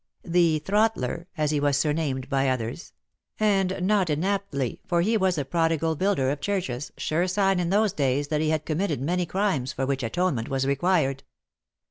— "The Throttler," as he was surnamed by others — and not inaptly, 30 WAR AND WOMEN for he was a prodigal builder of churches, sure sign in those days that he had committed many crimes for which atonement was required.